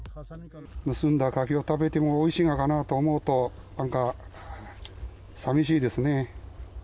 盗んだ柿を食べてもおいしいのかなと思うと、なんか、さみしいですね。